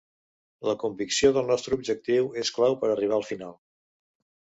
La convicció del nostre objectiu és clau per a arribar al final.